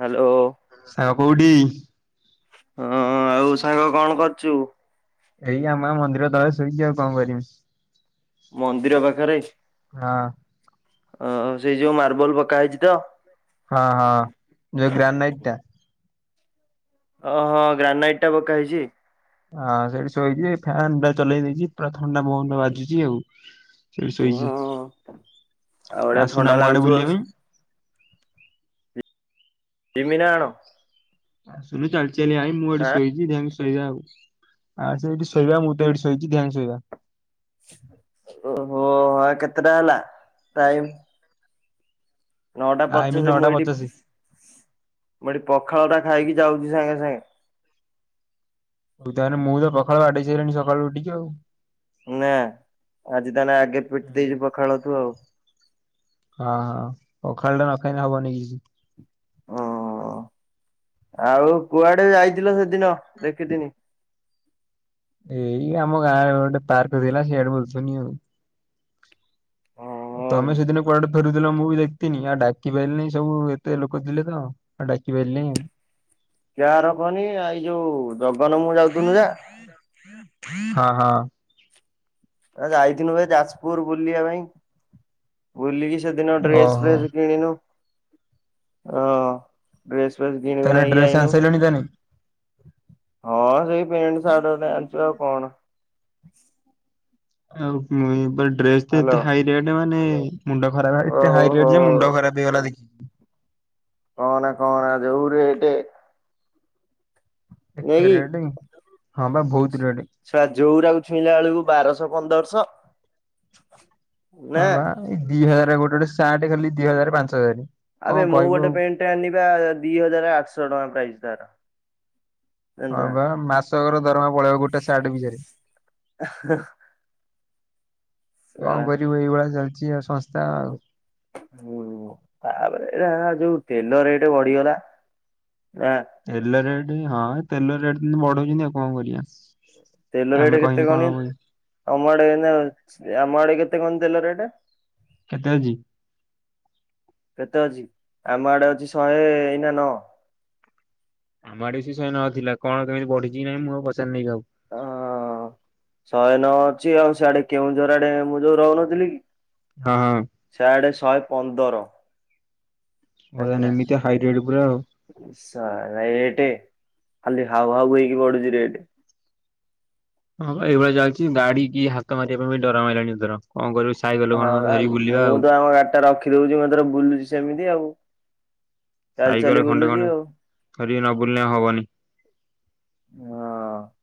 Hello ସାଙ୍ଗ କୋଉଠି? ହଁ ଆଉ ସାଙ୍ଗ କଣ କରୁଛୁ? ଏଇ ଆମା ମନ୍ଦିର ତଳେ ଶୋଇଛିି ଆଉ କଣ କରମି। ମନ୍ଦିର ପାଖରେ ହଁ ଆ ସେଇ ଯୋଉ ମାର୍ବଲ ପକା ହେଇଛି ତ? ହଁ ହଁ ଯଉ ଗ୍ରାନାଇଟ୍ ଟା। ଓହ ଗ୍ରାନାଇଟ୍ ଟା ପକା ହେଇଛି? ହଁ ସେଇଠି ଶୋଇଛି ଫ୍ୟନ୍ ଟା ଚଲେଇ ଦେଇଛି ପୁରା ଥଣ୍ଡା ପବନ ବାଜୁଛି ଆଉ। ସେଇଠି ଶୋଇଛି ଆଉ ବଢିଆ ଆସୁନୁ ଥଣ୍ଡା ଆମ ଆଡେ ଲାଗୁଥିବ ବୁଲିବା ପାଇଁ? ଜିମିରାଣ ଆଶୁନୁ ଚାଲି ଚାଲି ଆଇ ମୁଁ ଏଠି ଆଁ ଶୋଇଛି ଯାଇଁ ଶୋଇବା ଆଉ ଆସେ ଏଇଠି ଶୋଇବା ମୁଁ ତ ଏଇଠି ଶୋଇଛି ଦିହାଙ୍କ ଶୋଇବା। ଓହୋ ଆ କେତେଟା ହେଲା ଟାଇମ ନଅଟା ଆଇମି ପଚାଶେ ମୁଁ ନଅଟା ଏଇଠି ପଚାଶେ। ମୁଁ ଏଠି ପଖାଳ ଟା ଖାଇକି ଯାଉଛି ସାଙ୍ଗେ ସାଙ୍ଗେ। ହଉ ତାହେ ମୁଁ ତ ପଖାଳ ବାଡେଇ ସାରିଲାଣି ସକାଳୁ ଉଠିକି ଆଉ ନା ଆଜି ତାହେଲେ ଆଗେ ପିଟି ଦେଇଚୁ ପଖାଳ ତୁ ଆଉ ହଁ ହଁ ପଖାଳ ଟା ନଖାଇଲେ ହବନି କି ଓ ଆଉ କୁଆଡେ ଯାଇଥିଲ ସେଦିନ ଦେଖିଦିନି? ଏଇ ଆମ ଗାଁରେ ଗୋଟେ ପାର୍କ ଥିଲା ସେଇଆଡେ ବୁଲୁଥିନି ଆଉ ଆଉ ତମେ ସେଦିନ କୁଆଡେ ଫେରୁ ମୁଁ ବି ଦେଖିନି ଆଉ ଡାକି ପାଇଲିନି ସବୁ ଏତେ ଲୋକ ଥିଲେ ତ ଆଉ ଡାକି ପାଇଲିନି ଆଉ କା ର କହନି ଏଇ ଯୋଉ ଜଗନ ମୁଁ ଯାଉଥଥିଲୁ ଯା [inaudible] ହଁ ହଁ। ଆ ଯାଇଥିନୁ ଭାଇ ଯାଜପୁର ବୁଲିବା ପାଇଁ। ବୁଲି କିି ସେଦିନ ଡ୍ରେସ୍ ଓହୋ ଫ୍ରେସ୍ କିଣିନୁ ହଁ ତ୍ରେସ୍ ଫ୍ରେସ୍ ଘିଣି ଗୁଣା ଏ ଆଇନୁ ଜ ଜ- [inaudible] ହଁ ସେଇ ପେଣ୍ଟ ସାର୍ଟେ ଗୋଟେ ଆଣିଛୁ ଆଉ କଣ ଆଉ ମୁଇଁ ବା ଡ୍ରେସ୍ ତ ହ୍ୟାଲୋ ଏତେ ହାଇ ରେଟ୍ ମାନେ ମୁଣ୍ଡ ଖରାପ ବା ଏତେ ହାଇ ଓହୋ ରେଟ୍ ଯେ ମୁଣ୍ଡ ଖରାପ ହେଇଗଲା ଦେଖି କହନା କହନା ଯୋଉ ରେଟ୍ ନୁହେଁ ଏତେ କି ରେଡି ହଁ ବା ବହୁତ ରେଡି। ଛୁଆ ଯଉରାକୁ ଛୁଇଁଲା ବେଳକୁ ବାରଶହ ପନ୍ଦରଶହ ହଁ ନା ବା ଏଇ ଦି ହଜାରେ ଗୋଟେ ଗୋଟେ ସାର୍ଟ ଖାଲି ଦି ହଜାରେ ପାଞ୍ଚ ହଜାରେ। ଆବେ ମୁଁ ଗୋଟେ ପ୍ୟାଣ୍ଟଟେ ଆଣିଲି ବା ଦି ହଜାର ଆଠଶହ ଟଙ୍କା ପ୍ରାଇସ ତାର ଜାଣିଛୁ ହଁ ନା ବା ମାସକର ଦରମା ପଳେଇବ ଗୋଟେ ସାର୍ଟ ପିଛାରେ କଣ ଶଳା କରିବ ଏଇଭଳିଆ ଚାଲିଛି ଆଉ ସଂସ୍ଥା ଆଉ ହୁଁ ତାପରେ [unintelligible] ଯୋଉ ତେଲ ରେଟ ବଢିଗଲା [unintelligible] ତେଲ ରେଟ୍ ହଁ ତେଲ ରେଟ କିନ୍ତୁ ବଢଉଛନ୍ତି ଆଉ କଣ କରିବା ତେଲ ଆମେ ରେଟ କେତେ କହିନି କନି କଣ ହବ କି ତମ ଆଡେ [unintelligible] ଆମ ଆଡେ କେତେ କନ ତେଲ ରେଟେ? କେତେ ଅଛି? କେତେ ଅଛି ଆମ ଆଡେ ଅଛି ଶହେ ଏଇନା ନଅ। ଆମ ଆଡେ ବି ସେଇ ଶହେ ନଅ ଥିଲା କଣ କେମିତି ବଢିଛି କି ନାଇଁ ମୁଁ ଆଉ ପଚାରି ନେଇ କାହାକୁ ହ ଶହେ ନଅ ଅଛି ଆଉ ସେଆଡେ କେଉଁଝର ଆଡେ ମୁଁ ଯୋଉ ରହୁନଥିଲି କି! ହଁ ହଁ ସିଆଡ଼େ ଶହେ ପନ୍ଦର ବର୍ତ୍ତମାନେ ଏମିତିଆ ହାଇ ରେଟ୍ ପୁରା ଆଉ ଇ ଶଳା ରେଟେ ଖାଲି ହାଉ ହାଉ ହେଇକି ବଢୁଛି ରେଟେ ହଁ ବା ଏଇଭଳିଆ ଚାଲିଚି ଗାଡି କି ହାତ ମାରିବା ପାଇଁ ବି ଡର ମାଇଲାଣି ଏଇଥର କଣ କରିବୁ ଶ୍ ହଁ ବା ମୁଁ ତ ଆମ ଗାଡି ଟା ରଖିଦଉଛି ମୁଁ ଏଥର ବୁଲୁଛି ସେମିତି ଆଉ ଚାଲି ଚାଲି ସାଇକଲ ଖଣ୍ଡେ ବୁଲୁଛି ଖଣ୍ଡେ ଆଉ। ଧରିକି ନ ବୁଲିଲ ହବନି। ହଁ।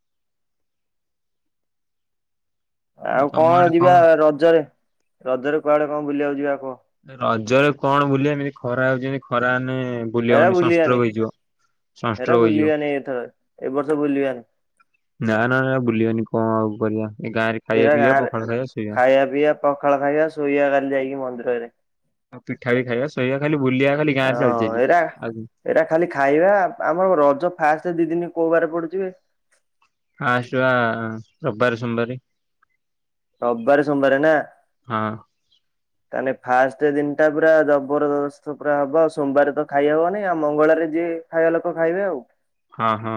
ଆଉ କଣ ଯିବା ରଜରେ ରଜରେ କୁଆଡେ କଣ ବୁଲିବାକୁ ଯିବା କୁହ? ରଜରେ କଣ ବୁଲିଆ ଏମିତି ଖରା ହଉଛି ଏମତି ଖରାନେ ବୁଲି ହେରା ହବନି ବୁଲିବାନି ସନଷ୍ଟ୍ରୋକ ହେଇଯିବ ହେରା ସନଷ୍ଟ୍ରୋକ ହେଇଯିବ। ବୁଲିବାନି ଏଥର ଏ ବର୍ଷ ବୁଲିବାନି। ନା ନା ନା ବୁଲିବାନି କଣ ଆଉ କରିବା ଏ ଗାଁରେ ଖାଇବା ଏଇଟା ପିଇବା ଗାଁରେ ପଖାଳ ଖାଇବା ଶୋଇବା। ଖାଇବା ପିଆ ପଖାଳ ଖାଇବା ଶୋଇବା କାଲି ଯାଇକି ମନ୍ଦିରରେ। ଆଉ ପିଠା ବି ଖାଇବା ଶୋଇବା ଖାଲି ବୁଲିବା ଖାଲି ଗାଁରେ ଚାଲିଚି ଏଠି ଆଉ କି ଏଇଟା ଖାଲି ଖାଇବା ଆମର ରଜ ଫାଷ୍ଟ ଦି ଦିନି କୋଉ ବାରେ ପଡୁଛିି ବେ? ଫାଷ୍ଟେ ବା ରବିବାରେ ସୋମବାରେ। ରବିବାରେ ସୋମବାରେ ନା! ହଁ ତାହେନେ ଫାଷ୍ଟ ଦିନ ଟା ପୁରା ଜବରଦସ୍ତ ପୁରା ହବ ଆଉ ସୋମବାରେ ତ ଖାଇ ହବ ନେଇ ଆଉ ମଙ୍ଗଳରେ ଯିଏ ଖାଇବା ଲୋକ ଖାଇବେ ଆଉ। ହଁ ହଁ।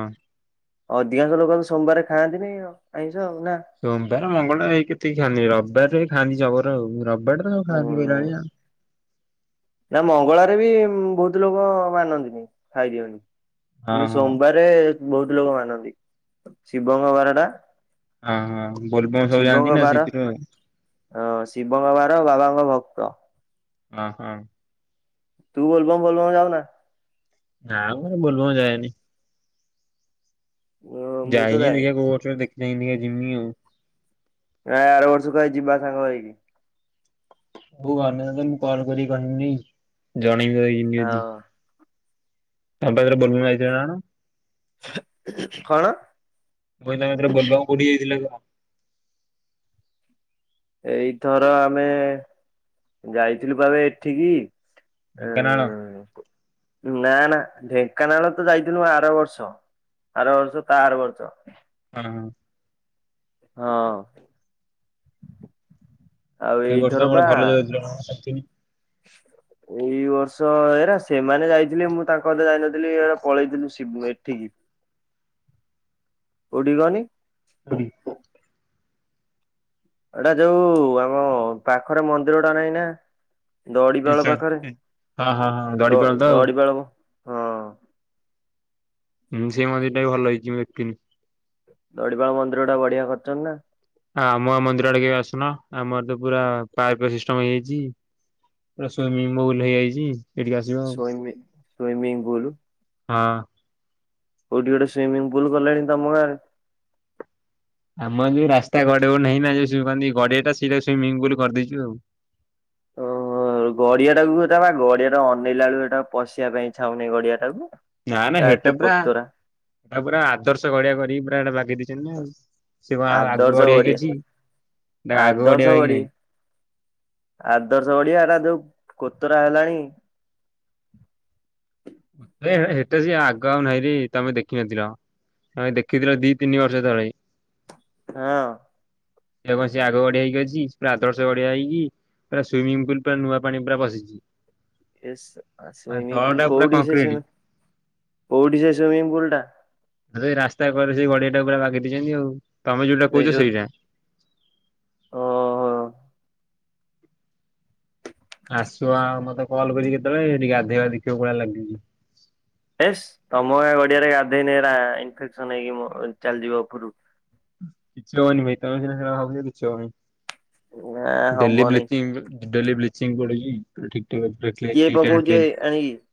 ଅଧିକାଂଶ ଲୋକ ଆଉ ସୋମବାର ଖାଆନ୍ତିନି ଆଉ ଆଇଁଷ ଆଉ ନା! ସୋମବାର ମଙ୍ଗଳବାର ଏଇ କେତିକି ଖାଆନ୍ତିି ରବିବାରରେ ଏଇ ଖାଆନ୍ତି ଜବର ଆଉ ରବିବାରରେ ତ ହୁଁ ଖାଆନ୍ତି କହିଲା ଭଳିଆ ଆଉ। ନା ମଙ୍ଗଳାରେ ବି ବହୁତ ଲୋକ ମାନନ୍ତିନି ଖାଇଦିଅନି ହଁ କିନ୍ତୁ ହଁ ସୋମବାର ରେ ବହୁତ ଲୋକ ମାନନ୍ତି ଶିବଙ୍କ ବାର ଟା ଓ ହଁ ବୋଲବମ୍ ସବୁ ଯାଆନ୍ତି ନା ସେଇଥିରୁ ଆଉ ହଁ ଶିବଙ୍କ ବାର ବାବାଙ୍କ ଭକ୍ତ। ହ ହଁ ତୁ ବୋଲବମ୍ ଗଲୁ ନା ଯାଉନା? ନା ମ ମୁଁ ବୋଲବମ୍ ଯାଏନି। ଅ ମୁଁ ତ ଯାଇନି ଯାଏ ଦେଖିବା କୋଉ ବର୍ଷ ଦେଖାହେଇନି ଟିକେ ଜିମି ଆଉ। ଏ ଆର ବର୍ଷକୁ ଆଉ ଯିବା ସାଙ୍ଗ ହେଇକି। ବୋଉ ଅନ୍ୟ ଦିନ ମୁଁ କଲ କରିିକି କହିବି ଜଣେଇବି ଭାଇ। ଆଉ ଏବେ ତମେ ବୋଲବମ୍ ଯାଇଥିଲ ନା କଣ? କଣ? କହିଲା ବରଗାଁ କୋଡିି ଯାଇଥିଲ। ଏଇଥର ଆମେ ଯାଇଥିଲୁ ପା ବେ ଏଠିକି ଉଁ ଢ଼େଙ୍କାନାଳ। ନା ନା ଢେଙ୍କାନାଳ ତ ଯାଇଥିଲୁ ଆର ବର୍ଷ ଆର ବର୍ଷ ତା ଆର ବର୍ଷ। ହଁ ହ। ହଁ ଆଉ ଏଇଥର ପା ଜଣ [unintelligible] [unintelligible] ଏଇ ବର୍ଷ ଏରା ସେମାନେ ଯାଇଥିଲେ ମୁଁ ତାଙ୍କ କ ଯାଇନଥିଲି ଏ ପଳେଇଥିଲୁ ଏଠିକି କୋଉଠିକି କହନି? ହଁ। ଏଟା ଯୋଉ ଆମ ପାଖରେ ମନ୍ଦିର ଟା ନାଇଁ ନା। ଦଡିିବାଳ ପାଖରେ ହଁ ହଁ ହଁ ଦ ଦଡିପାଳ ତ ଆଉ। ଦଡିିବାଳବ ହୁଁ ସେ ମନ୍ଦିର ଟା ବି ଭଲ ହେଇଛି ମୁ ଦେଖିନି। ଦଡିବାଳ ମନ୍ଦିର ଟା ବଢିଆ କରିଛନ୍ତି ନା। ଆମ ଆ ମନ୍ଦିର ଆଡେ କେବେ ଆସୁନ ଆମର ତ ପୁରା ପାଇପ ସିଷ୍ଟମ ହେଇଯାଇଛି। ପ ବଲ ହେଇଯାଇଛି ସେଠିକି ଆସିବା ଆଉ ସୁଇମି ସୁଇମିଂ ପୁଲ ହଁ। କଉଠି ଗୋଟେ ସୁଇମିଙ୍ଗ ପୁଲ ଗଲେଣି ତମ ଗାରେ। ଆମର ଯୋଉ ରାସ୍ତା କଡକୁ ନାହିଁ ନା ଯଉ ଶିବାନୀ ଗଡିଆଟା ସେଇଟା ସୁମିଙ୍ଗ ପୁଲ କରିଦେଇଛୁ ଆଉ। ଓହୋ। ଗଡିଆ ଟାକୁ ଏଟା ବା ଗଡିଆ ର ଅନେଇଲା ବେଳକୁ ବଳୁ ଏଟା ପଶିବା ପାଇଁ ଛାଉନି ଗଡିଆ ଟାକୁ। ନା ନା ଏରା ଏତେ ସେଟା ପୁରା କୋତରା ସେଟା ପୁରା ଆଦର୍ଶ ଗଢ଼ିଆ କରିକି ପୁରାଟା ବାଗେଇ ଦେଇଛନ୍ତି ନା। ସେ କଣ ଆଉ ଆଗ ଆଦର୍ଶ ଗଢିଆ ହେଇକି ଗଡିଆ ଅଛି ନା ଆଗ ଆଦର୍ଶ ଗଢିଆ ହେଇକି ଗଡିଆ ନାହିଁ। ଆଦର୍ଶ ଗଢ଼ିଆ ନା ଯୋଉ କୋତରା ହେଲାଣି। ଏ ହେଟା ସ ଆଗ ଆଉ ନାାଇଁରି ତମେ ଦେଖିନଥିଲ। ଆଁ ଦେଖିଥିଲ ଦି ତିନି ବର୍ଷ ତଳେ। ହଁ। ଏବେ କଣ ସେ ଆଗ ଗଢିଆ ହେଇକି ଅଛି ପୁରା ଆଦର୍ଶ ଗଢିଆ ହେଇକି ପୁରା ସୁଇମିଙ୍ଗ ପୁଲ ପୁରା ନୂଆ ପାଣି ପୁରା ପସିଛି। ଏ ସୁଇମିଂ ପୁଲ ପୁରା କୋଉଠି ସେ କଂକ୍ରିଟ କୋଉଠି ସେ ସୁଇମିଂ ପୁଲ ଟା। ସେଇ ରାସ୍ତା କରେ ସେଇ ଗଡିଆ ଟାକୁ ପୁରା ବାଗେଇ ଦେଇଛନ୍ତି ଆଉ ତମେ ଯୋଉଟା ଏଇ କହୁଛ ଯୋଉ ସେଇଟା। ଓ ହୋ। ଆସୁ ଆ ମତେ କଲ୍ କରିଚି କେତେବେଳେ ଟିକେ ଗାଧୋଇବା ଦେଖିବାକୁ ଭଳିଆ ଲାଗିଛି। ହେସ୍ ତମ ଗଡିଆରେ ଗାଧେଇନି ଏରା ଇନ୍ଫେକ୍ସନ ହେଇକି ମୁଁ ଚାଲିଯିବି ଉପରୁକୁ। କିଛି ଭାଇ ତମେ ସିନା ସେଗୁରା ଭାଉଛ କିଛି ହେବନି। [inaudible] ଡେଲି ନାଇଁ ବ୍ଲିଚିଙ୍ଗ୍ ଡେଲି ବ୍ଲିଚିଙ୍ଗ୍ ପଡିକି ପୁରା ଠିକ୍ ଠାକ୍ ଅ କିଏ ନିଟ୍ ଆଣ୍ଡ ପକଉଛି କ୍ଲିନ୍।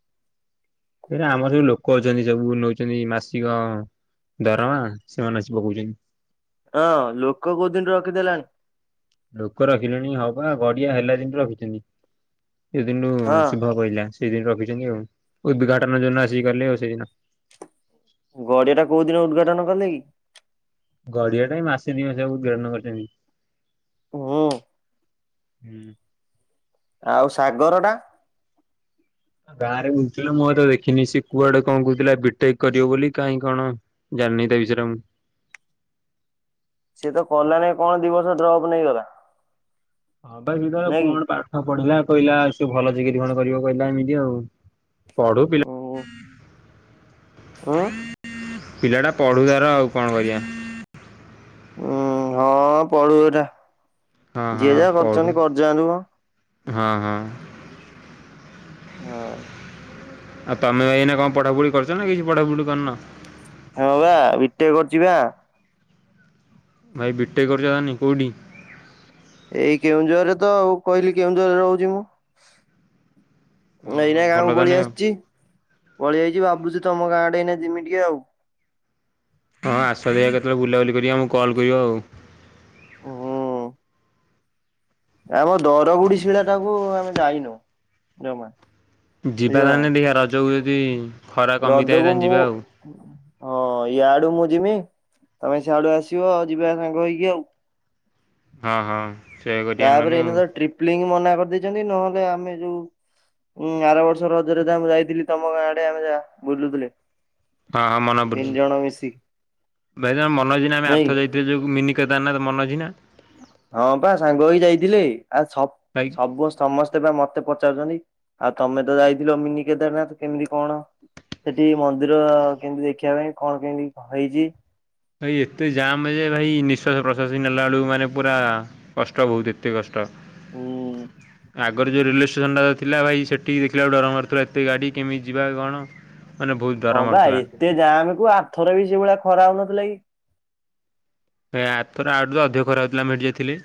[inaudible] ଏଇଟା ଆମର ସବୁ ଲୋକ ଅଛନ୍ତି ସବୁ ନଉଛନ୍ତି ମାସିକ ଦରମା ସେମାନେ ଆସି ପକଉଚନ୍ତି। ହଁ ଲୋକ କୋଉ ଦିନଠୁ ରଖିଦେଲାଣି। ଲୋକ ରଖିଲେଣି ହଁବା ଗଡିଆ ହେଲା ଦିନଠୁ ରହିଛନ୍ତି ସେଦିନୁ ହଁ ଶୁଭ ପଇଲା। ସେଇଦିନ ରଖିଛନ୍ତି ଆଉ ଉଦ୍ଘାଟନ ଯଉଦିନ ଆସିକି କଲେ ଆଉ ସେଦିନ। ଗଡିଆଟା କୋଉ ଦିନ ଉଦ୍ଘାଟନ କଲେ କି? ଗଡିଆଟା ଏ ମାସେ ଦିମାସ ହବ ଉଦ୍ଘାଟନ କରିଛନ୍ତି। ହୁଁ। ହୁଁ। [inaudible] ଆଉ ସାଗରଟା। ଗାଁରେ ବୁଲୁଥିଲା ମୁଁ ଆଉ ତାକୁ ଦେଖିନି ସେ କୁଆଡେ କଣ କହୁଥିଲା ବିଟେକ୍ କରିବ ବୋଲି କାହିଁ କଣ? ଜାଣିନି ତା ବିଷୟରେ ମୁଁ। ସିଏତ କଲା ନାଇଁ କଣ ଦି ବର୍ଷ ଡ୍ରପ୍ ନେଇଗଲା।? ହଁବା [unintelligible] ନାଇଁ କି କଣ ପା [inaudible] ହଁ ପଢିଲା କହିଲା ସବୁ ସେ ଭଲ ଚାକିରି କଣ କରିବ କହିଲା ଏମିତି ଆଉ ପଢୁ ପିଲା। ଉୁଁ। ପିଲାଟା ପଢୁ ତାର ଆଉ କଣ କରିବା। ଉୁଁ ହଁ ପଢୁ ଏଟା ହଁ ହଁ ଯିଏ ଯାହା ପଢୁ। କରୁଛନ୍ତି କରିଯାନ୍ତୁମ। ହଁ ହଁ। ହଁ। ଆଉ ତମେ ଏଇନା କଣ ପଢାପଢି କରିଚନା କିଛି ପଢାପଢି କରୁନ। ମୁଁ ପା ବିଟେକ୍ କରୁଛି ପା। ଭାଇ ବିଟେକ୍ କରୁଛ ତାନି କଉଠି। ଏଇ କେଉଁଝର ରେ ତ ଆଉ କହିଲି କେଉଁଝରରେ ରହୁଛି ମୁଁ। ଓହୋ ଏଇନା ଭଲ ଗାଁକୁ ପଳି ତାହାନେ ଆଉ। ଆସିଛି। ପଳିଆଇଛି ଭାବୁଛି ତମ ଗାଁ ଆଡେ ଏଇନା ଯିମି ଟିକେ ଆଉ। ହଁ ଆସ ଇଆଡେ କେତେବେଳେ ବୁଲାବୁଲି କରିକି ଆମକୁ କଲ୍ କରିବ ଆଉ। ହୁଁ ଆମ ଦରଗୁଡି ଶିଳାଟାକୁ ଆମେ ଯାଇନୁ ଜମା। ଯିବା ବୁଝିଲନା ତାହାନେ ଟିକେ ରଜ ବୁଲିକି। ରଜକୁ ମୁଁ। ହଁ ଇଆଡୁ ମୁଁ ଯିମି ତମେ ସିଆଡୁ ଆସିବ ଆଉ ଯିବା ସାଙ୍ଗ ହେଇକି ଆଉ। ହଁ ହଁ। ସେଇଆ କରିବା ନହେଲେ ତାପରେ ଆଉ। ଏଇନାତ ଟ୍ରିପଲିଙ୍ଗ ମନା କରିଦେଇଛନ୍ତି ନହେଲେ ଆମେ ଯୋଉ। ହୁଁ ଆର ବର୍ଷର ରଜରେ ଯା ମୁଁ ଯାଇଥିଲି ତମ ଗାଁ ଆଡେ ଆମେ ଯା ବୁଲୁଥିଲେ। ହଁ ହଁ ମନେ ତିନି ପଡୁଛି ଜଣ ମିଶିକି ଭାଇ ତମ ମନେ ଅଛିନା ଆମେ ନାଇଁ ଆରଥର କି ଯାଇ। ସେ ଯଉଁ ମିନି କେଦାରନାଥ ମନେ ଅଛିନା। ହଁ ପା ସାଙ୍ଗ ହେଇକି ଯାଇଥିଲେ ଆଉ ସବୁ ଭାଇ ସମସ୍ତ। ସମସ୍ତେ ବା ମତେ ପଚାରୁଛନ୍ତି ଆଉ ତମେ ତ ଯାଇଥିଲ ମିନି କେଦାରନାଥ କେମିତି କଣ? ସେଠି ମନ୍ଦିର କେମିତି ଦେଖିବା ପାଇଁ କଣ କେମତି ହେଇଚି। ଭାଇ ଏତେ ଜାମ ଯେ ଭାଇ ନିଶ୍ଵାସ ପ୍ରଶ୍ଵାସ ନେଲା ବେଳକୁ ମାନେ ପୁରା। କଷ୍ଟ ବହୁତ ଏତେ କଷ୍ଟ। ହୁଁ। ଆଗରୁ ଯୋଉ ରେଲୱେ ଷ୍ଟେସନ ଟା ଥିଲା ଭାଇ ସେଠି ଦେଖିଲାକୁ ଡର ମାରୁଥିଲା ଏତେ ଗାଡି କେମିତ ଯିବା କଣ। ମାନେ ବୋହୁତ୍ ହଁ ଡର ବା ମାଡୁଥିଲା। ଏତେ ଯାମେ କୁ ଆଥର ବି ସେଇଭଳିଆ ଖରା ହୋଉନଥିଲା କି। ଏ ଆ ଥର ଆଠୁ ତ ଅଧିକ ଖରା ହୋଉଥିଲା ଆମେ ହେଟି ଯାଇଥିଲେ।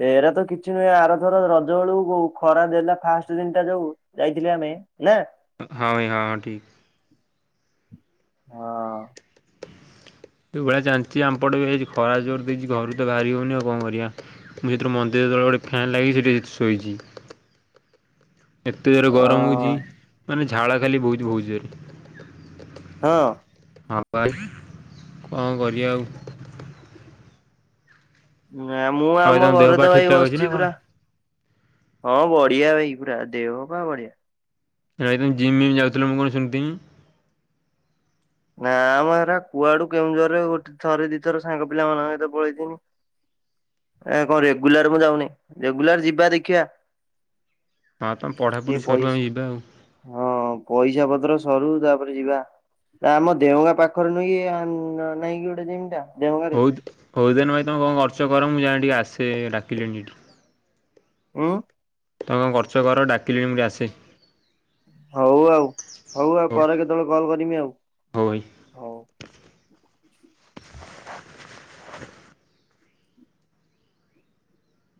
ହେରା ତ କିଛି ନୁହେଁ। ଆରଥର ରଜ ବେଳକୁ କୋଉ ଖରା ଦେଲା ଫାଷ୍ଟ ଦିନଟା ଯୋଉ। ଯାଇଥିଲେ ଆମେ। ନା! ହଁ ଭାଇ, ହଁ ହ ଠିକ୍। ହଁ। ଯୋଉ ଭଳିଆ ଜାଣିଛି ଆମପଟେ ବି ହେଇଚି ଖରା ଜୋର ଦେଇଚି ଘରୁ ତ ବାହାରି ହୋଉନି ଆଉ କଣ କରିବା। ମୁଁ ସେଇଥିର ମନ୍ଦିର ତଳେ ଗୋଟେ ଫ୍ୟାନ୍ ଲାଗିଚି ସେଇଠି ଶୋଇଚି। ଏତେ ଜୋରେ ଅ ଗରମ ହୋଉଚି ମାନେ ଝାଳ ଖାଲି ବୋହୁଚି ଭୋଉତ ଜୋରେ। ହଁ। ହଁ ପା। ଙ୍କ କରିବା ଆଉ ନା, ମୁଁ ଆଉ ଭାଇ ତମ ଆମ ଦେହ ଘରେ ପା ତ ଠିକ୍ ଭାଇ ଠାକ୍ ଅଛି ନା ବସଚି କଣ? ପୁରା। ହଁ ବଢିଆ ଭାଇ ପୁରା ଦେହ ପା ବଢିଆ। ଭାଇ ତମେ ଜିମ୍ ମିମ୍ ଯାଉଥିଲ ମୁଁ କନ୍ ଶୁଣଥିନି। ନାଁ ମ ହେରା କୁଆଡୁ କେଉଁଝରରେ ଗୋଟେ ଥରେ ଦିଥର ସାଙ୍ଗ ପିଲା ମାନଙ୍କ ସହିତ ପଳେଇଥନି। ଏ କଣ ରେଗୁଲାର ମୁଁ ଯାଉନି। ରେଗୁଲାର ଯିବା ଦେଖିଆ। ହଁ ତମ ପଢ଼ାପଢ଼ି ସରୁ ପଇସା ଆମେ ଯିବା ଆଉ। ହଁ ପଇସା ପତର ସରୁ ତାପରେ ଯିବା। ଆମ ଦେଓ ଗାଁ ପାଖରେ ନୁଁ ହେଁ କି ନାଇଁକି ଗୋଟେ ଜିମ୍ ଟା। ଦେଓଗାଁରେ। ହଉ। ହଉ ଦେନ ଭାଇ ତମେ କଣ କରୁଚ କର ମୁଁ ଯାଏ ଟିକେ ଆସେ ଡାକିଲେଣି ଏଇଠି। ଉଁ। ତମେ କଣ କରୁଚ କର ଡାକିଲେଣି ମୁଁ ଟିକେ ଆସେ। ହଉ ଆଉ। ହୋଉ ଆଉ ପରେ କେତେବେଳେ କଲ କରମି ଆଉ। ହୋଉ ଭାଇ। ହଉ।